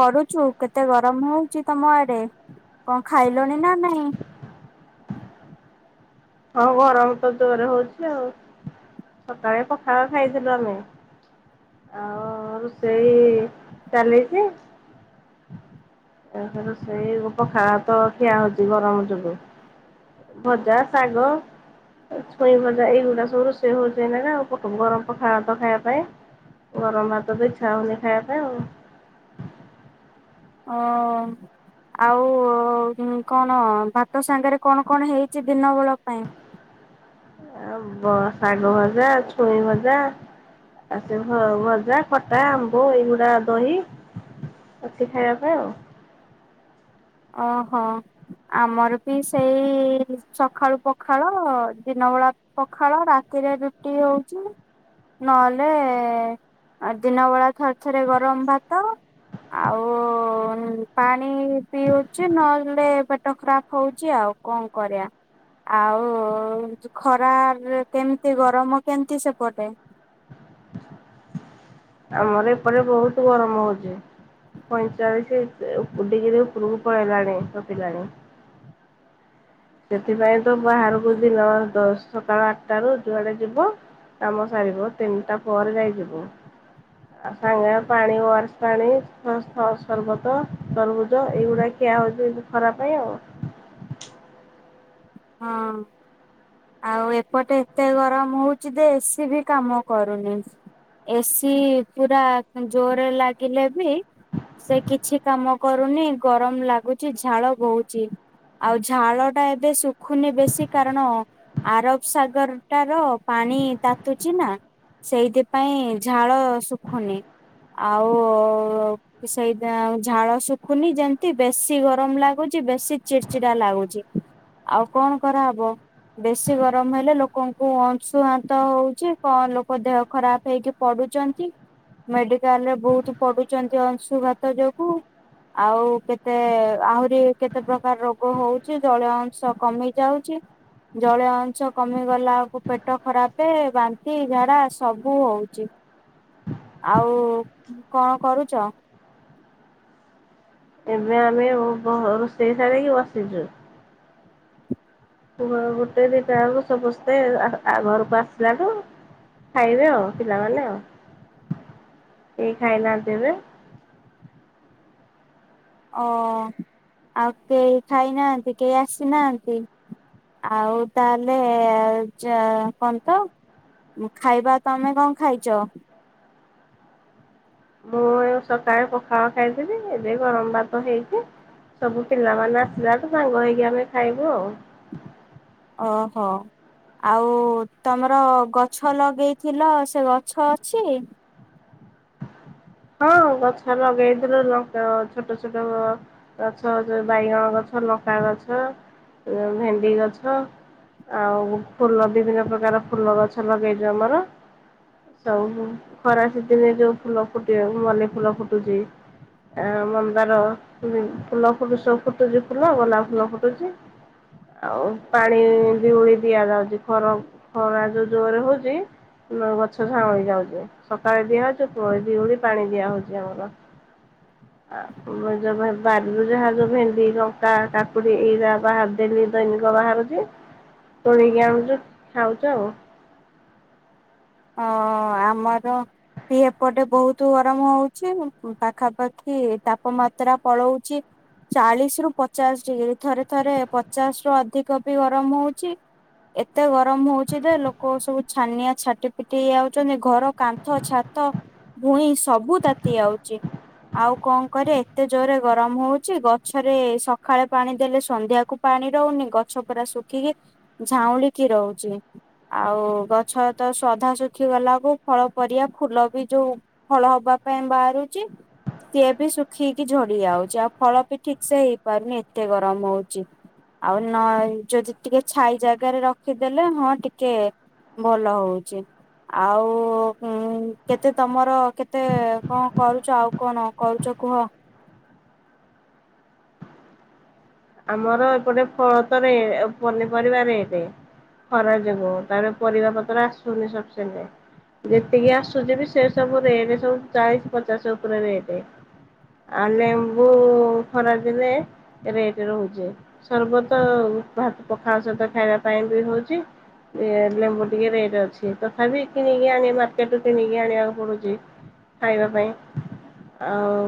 କରୁଛୁ କେତେ ଗରମ ହୋଉଛି ତମ ଆଡ଼େ? କଣ ଖାଇଲୁଣି ନା ନାଇଁ? ହଁ ଗରମ ତ ଜୋରେ ହୋଉଛି ଆଉ। ସକାଳେ ପଖାଳ ଖାଇଥିଲୁ ଆମେ। ଆଉ ରୁଷେଇ ଚାଲିଛି। ଆ ହ ରୁଷେଇ ଓ ପଖାଳ ଭାତ ଖିଆ ହୋଉଛି ଗରମ ଯୋଗୁ। ଭଜା ସାଗ। ଛୁଇଁ ଭଜା ଏଇଗୁଡା ସବୁ ରୋଷେଇ ହୋଉଛି ଏଇନେକା ଆଉ ପଖମ୍ ଗରମ୍ ପଖାଳ ଭାତ ଖାଇବା ପାଇଁ। ଗରମ୍ ଭାତ ବି ଇଚ୍ଛା ହୋଉନି ଖାଇବା ପାଇଁ ଆଉ। ଓ। ଆଉ କଣ ଭାତ ସାଙ୍ଗରେ କଣ କଣ ହେଇଛି ଦିନ ବେଳ ପାଇଁ? ଆ ବ ଶାଗ ଭଜା ଛୁଇଁ ଭଜା ଆ ସେ ଭ-ଭଜା ଖଟା ଆମ୍ବ ଏଇଗୁଡ଼ା ଦହି ଅଛି ଖାଇବା ପାଇଁ ଆଉ। ଅ ହ। ଆମର ବି ସେଇ ସକାଳୁ ପଖାଳ ଦିନ ବେଳା ପଖାଳ ରାତି ରେ ରୁଟି ହୋଉଛି। ନହେଲେ ଦିନ ବେଳା ଥରେ ଥରେ ଗରମ ଭାତ। ଆଉ ପାଣି ପିଉଛି ନହେଲେ ପେଟ ଖରାପ ହୋଉଛି ଆଉ କଣ କରିବା। ଆଉ ଖରା କେମିତି ଗରମ କେମିତି ସେପଟେ? ଆମର ଏପଟେ ବୋହୁତୁ ଗରମ ହୋଉଛି। ପଇଁଚାଳିଶ ଡିଗିରି ଉପରକୁ ପଳେଇଲାଣି ଟପିଲାଣି। ସେଥିପାଇଁ ତ ବାହାରକୁ ଦିନ ଦଶଟା ବାର୍ ଟା ବେଳୁ ଯୁଆଡ଼େ ଯିବ। କାମ ସାରିବୁ ତିନ୍ ଟା ପରେ ଯାଇଯିବୁ। ଆଉ ସାଙ୍ଗେ ପାଣି ୱାରେସ୍ ପାଣି ଥସ୍ ଥ ସର୍ବତ ତର୍ ବୁଜ ଏଇଗୁଡ଼ା କି କିଆ ହଉଛି, ହଉଛି ଖରାପ ପାଇଁ ଆଉ। ହଁ। ଆଉ' ଏପଟେ ଏତେ ଗରମ ହଉଛି ଯେ, ଏସି ବି କାମ କରୁନି। ଏସି ପୁରା ଜୋରରେ, ଲାଗିଲେ ବି ସେ କିଛି କାମ କରୁନି। ଗରମ ଲାଗୁଛିି, ଝାଳ ବହୁଛି। ଆଉ' ଝାଳ ଟା ଏବେ ଶୁ ଖୁନି, ବେଶୀ କାରଣ, ଆରବ ସାଗରଟାର, ପାଣି ତାତୁଛି ନା ସେଇଥିପାଇଁ, ଝାଳ ଶୁଖୁନି। ଆଉ, ସେଇଥିପାଇଁ ଝାଳ ଶୁଖୁନି, ଯେମିତି ବେଶି ଗରମ ଲାଗୁଛି। ବେଶୀ ଚିଡ, ଚିଡା ଲାଗୁଛି। ଆଉ କଣ କରାହବ? ବେଶୀ ଗରମ ହେଲେ, ଲୋକଙ୍କୁ ଅଂଶୁହାନ୍ତ ହଉଛି। କଣ, ଲୋକ ଦେହ ଖରାପ ହେଇକି ପଡୁ ଛନ୍ତି। ମେଡିକାଲରେ, ବହୁତ ପଢୁଛନ୍ତି ଅଂଶୁଘାତ ଯୋଗୁ ଆଉ' କେତେ, ଆହୁରି କେତେ ପ୍ରକାର ରୋଗ ହଉଛି। ଜଳୀୟ ଅଂଶ କମି ଯାଉଛି। ଜଳୀୟ ଅଂଶ କମିଗଲା ବଳକୁ, ପେଟ ଖରାପ, ବାନ୍ତି, ଝାଡା ସବୁ ହଉଛି। ଆଉ କଣ, କରୁଛ? ଏବେ ଆମେ, ଓହୋ, ରୋଷେଇ ସରିକି ବସିଛୁ। ପୁଅ, ଗୋଟେ ଦିଟା ବଳକୁ ସମସ୍ତେ, ଆ'ଆ -ଘରକୁ ଆସିଲାଠୁ ଖାଇବେ ଆଉ'। ପିଲାମାନେ ଆଉ'। କେହି ଖାଇନାହାନ୍ତି ଏବେ? ଓ ଆଉ, କେହି ଖାଇନାହାନ୍ତି? କେହି ଆସିନାହାନ୍ତି? ଆଉ ତାହେଲେ, ଯ, କଣ ତ। ଖାଇବା ତମେ କଣ, ଖାଇଛ? ମୁଁ, ସକାଳେ ପଖାଳ ଖାଇଥିଲି। ଏବେ ଗରମ ଭାତ ହେଇଛି। ସବୁ ପିଲାମାନେ ଆସିଲାଠୁ, ସାଙ୍ଗ ହେଇକି ଆମେ ଖାଇବୁ ଆଉ। ହ, ହ। ଆଉ ତମର, ଗଛ ଲଗେଇଥିଲ, ସେ ଗଛ ଅଛି? ହଁ, ଗଛ ଲଗେଇଥିଲୁ। ଲଙ୍କା ଗଛ, ଛୋଟ, ଛୋଟ ଗଛ ବାଇଗଣ ଗଛ। ଲଙ୍କା ଗଛ, ଓ ଭେଣ୍ଡି ଗଛ ଆଉ ଫୁଲ, ବିଭିନ୍ନ ପ୍ରକାର ଫୁଲ ଗଛ, ଲଗେଇଛୁ ଆମର। ସବୁ, ଖରା ସିଜିନ୍ ରେ ଯୋଉ ଫୁଲ ଫୁଟିବ, ମଲି ଫୁଲ ଫୁଟୁଛି। ଆ ମନ୍ଦାର, ଫୁଲ ଫୁଟିଛି ସବୁ ଫୁଟୁଛି ଫୁଲ, ଗୋଲାପ ଫୁଲ ଫୁଟୁଛି। ଆଉ' ପାଣି ଦିଓଳି ଦିଆଯାଉଛି। ଖରା, ଖରା ଯୋଉ ଜୋରରେ ହଉଛି ଗଛ ଝାଉଁଳି ଯାଉଛି। ସକାଳେ ଦିଆ ଦିଆଯାଉଛି। ପୁଣି ଦିଓଳି ପାଣି ଦିଆ ହଉଚି, ଆମର। ହ ଆଉ, ଯଉ ବାରିରୁ ଯାହା ଯୋଉ ଭେଣ୍ଡି, ଲଙ୍କା, କାକୁଡି ଏଇରା ବାହାର ଡେଲି ଦୈନିକ। ବାହାରୁଛି, ତୋଳିକି ଆଣୁଛୁ ଖାଉଛୁ ଆଉ। ଓ ଆମର ଇ, ଏପଟେ ବହୁତ ଗରମ ହଉଛି। ପାଖା, ପାଖି ତାପମାତ୍ରା ପଳଉଛି। ଚାଳିଶ ରୁ ପଚାଶ ଡିଗ୍ରୀ। ଥରେ, ଥରେ ପଚାଶ ରୁ ଅଧିକ ବି ଗରମ ହଉଛି। ଏତେ ଗରମ ହଉଚି ଯେ, ଲୋକ ସବୁ ଛାନିଆ, ଛାଟି ପି ଟି, ଆାଉଛନ୍ତି। ଘର କାନ୍ଥ, ଛାତ, ଭୁଇଁ ସବୁ ତାତି ଆଉଛି। ଆଉ କଣ କରେ, ଏତେ ଜୋରେ ଗରମ ହଉଛି। ଗଛରେ, ସକାଳେ ପାଣି ଦେଲେ, ସନ୍ଧ୍ୟାକୁ ପା ପାଣି ରହୁନି, ଗଛ ପୁରା ଶୁଖିକି ଝାଉଉଁଳିକି ରହୁଛି। ଆଉ ଗଛ ତ ସ ତ ଶୁଖି ଗଲାକୁ, ଫଳ ପରିବା, ଫୁଲ ବି ଯୋଉ ଫଳ ହବା ପାଇଁ ବାହାରୁଛି ସିଏ ବି ଶୁଖକି ଝଡି ଯାଉଛି। ଆଉ' ଫଳ ବି ଠିକ୍ ସେ ହେଇପାରୁନି। ଏତେ ଗରମ ହଉଛି। ଆଉ' ନ- ଯଦି ଟିକେ ଛାଇ ଜାଗାରେ ରଖିଦେଲେ, ହଁ ଟିକେ ଭଲ ହଉଛି। ଆଉ' ହୁଁ। କେତେ ତମର, କେତେ କଣ, କରୁଛ? ଆଉ କଣ, କରୁ ଛ କୁହ। ଆମର ଏପଟେ ଫଳ ତରେ ପନିପରିବା ରେଟ। ଖରା ଯୋଗୁ ତାପରେ ପରିବା ପତ୍ର ଆସୁନି ସପିଂସେଣ୍ଟ। ଯେତିକି ଆସୁଛି ବି ସେ ସବୁ ରେଟ ସବୁ ଚାଳିଶ ପଚାଶ ଉପରେ ରେଟେ ଆଉ ଲେମ୍ବୁ ଖରା ଦିନେ ରେଟ। ରହୁଚି ସର୍ବତ ଭାତ ପଖାଳ ସହିତ ଖାଇବା ପାଇଁ ବି ହଉଚି। ଲେମ୍ବୁ ଟିକେ ରେଟ୍ ଅଛି ତଥାପି କିଣିକି ଆଣି ମାର୍କେଟୁ କିଣିକି ଆଣିବାକୁ ପଡୁଚି। ଖାଇବା ପାଇଁ ଆଉ।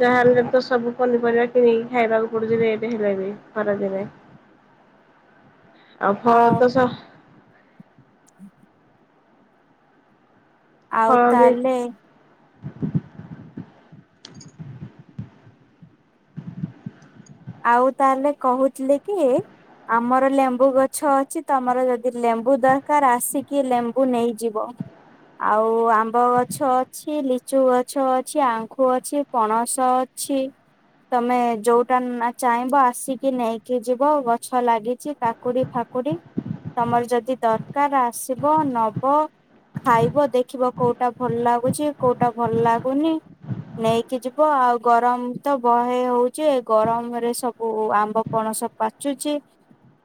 ଯାହାହେଲେ ତ ସବୁ ପନିରିବା କିଣିକି ଖାଇବାକୁ [inaudible] ରେଟ ହେଲାଣି ଖରାଦିନେ। ଆଉ ଫଲତ ଶ ଆଉ ଫଳ ବି ତାଲେ ଆଉ ତାହେଲେ କହୁଥିଲେକି। ଆମର ଲେମ୍ବୁ ଗଛ ଅଛି ତମର ଯଦି ଲେମ୍ବୁ ଦରକାର ଆସିକି ଲେମ୍ବୁ ନେଇଯିବ। ଆଉ ଆମ୍ବ ଗଛ ଅଛି ଲିଚୁ ଗଛ ଅଛି ଆଖୁ ଅଛି ପଣସ ଅ ଅଛି ତମେ ଯୋଉଟା ନା ଚାହିଁବ ଆସିକି ନେଇକି ଯିବ ଗଛ ଲାଗିଛି କାକୁଡି ଫାକୁଡି ତମର ଯଦି ଦରକାର ଆସିବ ନବ। ଖାଇବ ଦେଖିବ କୋଉଟା ଭଲ ଲାଗୁଛି କୋଉଟା ଭଲ ଲାଗୁନି। ନେଇକି ଯିବ ଆଉ ଗରମ ତ ବହେ ହଉଛି ଗରମ। ରେ ସବୁ ଆମ୍ବ ପଣସ ପାଚୁଚି।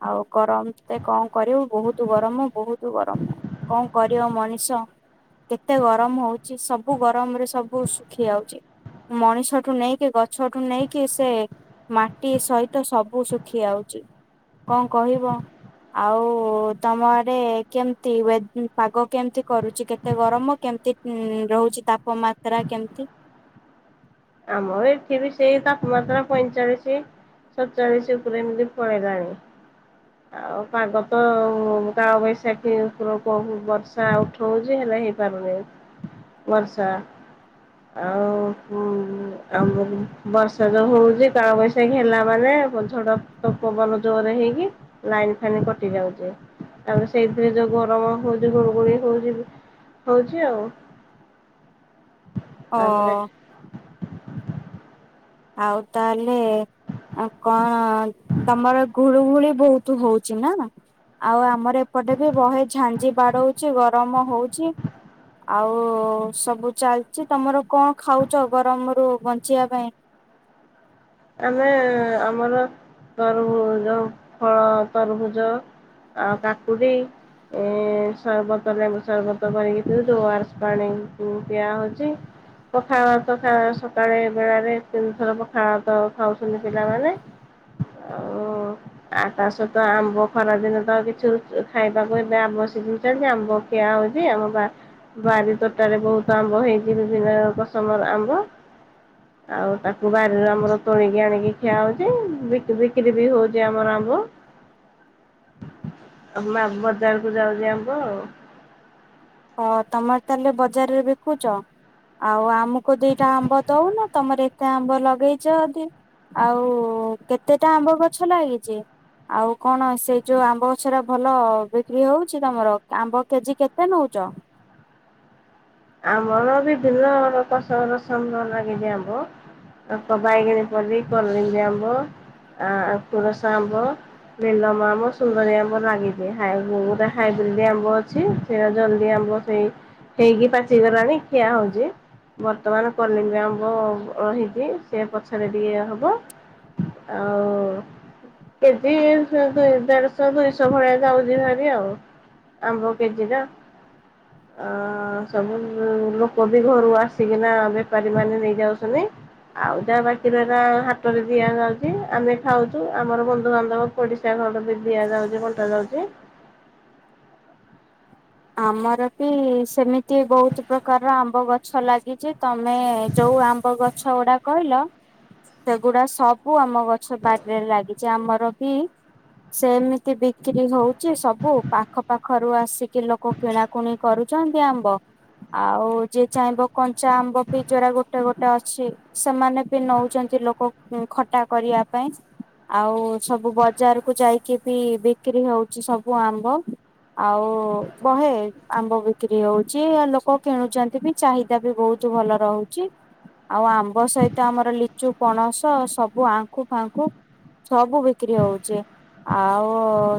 ଆଉ ଗରମ ତେ କଣ କରିବୁ ବହୁତ ଗରମ ବହୁତ ଗରମ କଣ କରିବ ମଣିଷ। କେତେ ଗରମ ହଉଚି ସବୁ ଗରମ ରେ ସବୁ ଶୁଖି ଯାଉଚି। ମଣିଷଠୁ ନେଇକି ଗଛଠୁ ନେଇକି ସେ ମାଟି ସହିତ ସବୁ ଶୁଖି ଯାଉଛି କଣ କହିବ। ଆଉ ତମ ଆଡେ ୱେବ କେମତି ପାଗ କେମିତି କରୁଚି କେତେ ଗରମ କେ କେମତି ରହୁଛି ତାପମାତ୍ରା କେମତି। ଆମ ଏଠି ବି ସେଇ ତାପମାତ୍ରା ପଇଁଚାଳିଶ। ସତତାଳିଶ ଉପରେ ଏମତି ପଳେଇଲାଣି। ଆଉ ପାଗ ତ କାଳ ବୈଶାଖୀ ଉପରକୁ ବର୍ଷା ଉଠଉଛି ହେଲେ ଲେ ହେଇପାରୁନି ବର୍ଷା ଆଉ ହୁଁ। ଆମର ବର୍ଷା ଯୋଉ ହଉଚି କଳ ବୈଶାଖୀ ହେଲା ମାନେ ଝଡ଼ ତ ପବନ ଜୋ ରରେ ହେଇକି ଲାଇନ ଫାଇନ କଟି ଯାଉଛି। ଆଉ ସେଇଥିରେ ଯୋଉ ଗରମ ହଉଛି ଗୁଲଗୁଳି ହଉଛି ହଉଛି ଆଉ। ଓ। ତାପରେ ଆଉ ତାହେଲେ କଣ ତମର ଘୁଳୁ ଘୁଳି। ବହୁତ ହଉଛି ନା। ଆଉ ଆମର ଏପଟେ ବି ବହେ ଝାଞ୍ଜି ବାଡଉଚି ଗରମ ହଉଚି। ଆଉ ସବୁ ଚାଲିଚି ତମର କଣ ଖାଉଚ ଗରମରୁୁ ବଞ୍ଚିବା ପାଇଁ। ଆମେ ଆମର ତରଭୁଉ ଫଳ ତରଭୁଜ ଆ କାକୁଡି। ଏଁ ସର୍ବତ ଲେମ୍ବୁ ସର୍ବତ କରିକି ପିଉଚୁ ଓୟାର୍ସ ପାଣି ପିଆହଉଚି। ପଖାଳ ଭାତ ସକାଳେ ବେଳାରେ ତିନିଥର ପଖାଳ ଭାତ ତ ଖାଉଛନ୍ତି ପିଲାମାନେ। ଓ ଆଉ ତା ସହିତ ଆମ୍ବ ଖରା ଦିନ ତ କିଛି ରୁଚୁ ଖାଇବାକୁ ଏବେ ଆବ୍ୟ ଜିନ ଆମ୍ବ ଖିଆ ହଉଛି ଆମ ବା ବାରି ତୋଟାରେ ବହୁତ ଆମ୍ବ ହେଇଛି ବିଭିନ୍ନ କସମର ଆମ୍ବ। ଆଉ ତାକୁ ବାରିରୁ ଆମର ତୋଳିକି ଆଣିକି ଖିଆ ହଉଛି ବିକ୍ରି ବି ହଉଛି ଆମର ଆମ୍ବ। ଆମ ଆମ୍ବ ବଜାରକୁ ଯାଉଛି ଆମ୍ବ ଆଉ। ହ ତମର ତାଲେ ବଜାରରେ ବିକୁଚ ଆଉ ଆମୁକୁ ଦିଟା ଆମ୍ବ ଦଉନ। ତମର ଏତେ ଆମ୍ବ ଲଗେଇଚ ଯଦି ଆଉ କେତେଟା ଆମ୍ବ ଗଛ ଲାଗିଚି? ଆଉ କଣ ସେଇ ଯୋଉ ଆମ୍ବ ଗଛରା ଭଲ ବିକ୍ରି ହଉଚି ତମର ଆମ୍ବ କେଜି କେତେ ନଉ ଚ। ଆମର ବିଭିନ୍ନ ପସମ ରସମ ର ଲାଗିଚି ଆମ୍ୱ। ତାର ତ ବାଇଗଣି ପଲ୍ଲି, କଲିମ୍ବି ଆମ୍ୱ ଆ କୋରସ ଆମ୍ୱ। ନିଲମ ଆମ୍ୱ ସୁନ୍ଦରୀ ଆମ୍ବ ନାଗିଚି ହାଏ କୋଉ ଗୁଡା ହାଇବ୍ରିଡି ଆମ୍ବ ଅଛି। ସେଇଟା ଜଲଦି ଆମ ମ୍ୱ ସେଇ ହେଇକି ପାଚିଗଲାଣି ଖିଆ ହଉଚି। ବର୍ତ୍ତମାନ କଲିମ୍ବି ଆମ୍ୱ-ଅ ହେଇଚି ସେ ପଛରେ ଟିକେ ହବ। ଆଉ କେଜି [unintelligible] ଦେଡଶହ ଦୁଇଶହ ଭଳିଆ ଯାଉଚି ଭାରି ଆଉ। ଆମ୍ବ କେଜି ଟା ଅ ସବୁ ଲୋକ ବି ଘରୁ ଆସିକିନା ବେପାରୀ ମାନେ ନେଇଯାଉଛନ୍ତି। ଆଉ ଯାହା ବାକି ରହିରା ହାଟରେ ଦିଆଯାଉଚି ଆମେ ଖାଉଚୁ ଆମର ବନ୍ଧୁବାନ୍ଧବ ପଡିଶା ଘର ବି ଦିଆ ଯାଉଚି ବଣ୍ଟା ଯାଉଚି। ଆମର ବି ସେମିତି ବହୁତ ପ୍ରକାର ଆମ୍ବ ଗଛ ଲାଗିଚି ତମେ ଯୋଉ କଉ ଆମ୍ବ ଗଛ ଗୁଡା କହିଲ ସେଗୁଡା ସବୁ ଆମ ଗଛ ବାରିରେ ଲାଗିଚି ଆମର ବି ସେମିତି ବିକ୍ରି ହଉଚି ସବୁ ପାଖ ପାଖରୁ ଆସିକି ଲୋ କ କିଣାକୁଣି କରୁଚନ୍ତି ଆମ୍ବ। ଆଉ ଯିଏ ଚାହିଁବ କଞ୍ଚା ଆମ୍ବ ପି ଜଉରା ଗୋଟେ ଗୋଟେ ଅଛି ସେମାନେ ବି ନଉଚ ନ୍ତି ଲୋକ ଖଟା କରିବା ପାଇଁ ଆଉ ସବୁ ବଜାରକୁୁ ଯାଇକି ବି ବିକ୍ରି ହଉଚି ସବୁ ଆମ୍ବ ଆଉ ବହେ ଆମ୍ବ ବିକ୍ରି ହଉଚି ଆ ଲୋକ କିଣୁଚନ୍ତି ବି ଚାହିଦା ବି ବହୁତ ଭଲ ରହୁଚି। ଆଉ ଆମ୍ବ ସହିତ ଆମର ଲିଚୁ, ପଣସ ସବୁ ଆଙ୍ଖୁ ଫାଙ୍କୁୁ। ସବୁ ବିକ୍ରି ହଉଚି। ଆଉ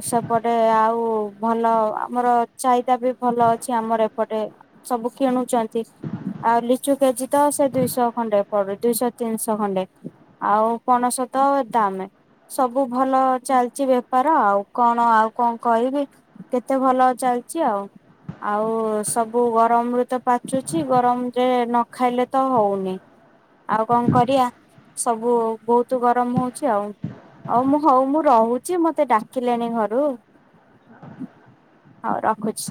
ସେପଟେ ଆଉ ଭଲ ଆମର ଚାଇଦା ବି ଭଲ ଅଛି ଆମର ଏପଟେ ସବୁ କିଣୁଚନ୍ତି ଆଉ ଲିଚୁ କେଜି ତ ସେ ଦୁଇଶହ ଖଣ୍ଡେ ପଡୁ ଦୁଇଶହ ତିନିଶହ ଖଣ୍ଡେ ଆଉ ପଣସ ତ ଦାମେ ସବୁ ଭଲ ଚାଲଚି ବେପାର ଆଉ କଣ ଆଉ କଣ କଇବି କେତେ ଭଲ ଚାଲ ଚି ଆଉ ଆଉ ସବୁ ଗରମରୁୁ ତ ପାଚୁଚି ଗରମ ଯେ ନ ଖାଇଲେ ତ ହଉନି। ଆଉ କଣ କରିଆ ସବୁ ବହୁତୁ ଗରମ ହଉଚି ଆଉ। ହଉ ମୁଁ ହଉ ମୁଁ ରହୁଚି ମତେ ଡାକିଲେଣି ଘରୁ। ହଉ ରଖୁଛି।